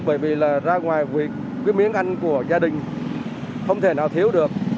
bởi vì là ra ngoài vì cái miếng ăn của gia đình không thể nào thiếu được